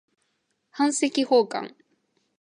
版籍奉還